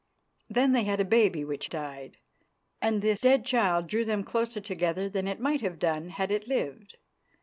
Then they had a baby which died, and this dead child drew them closer together than it might have done had it lived.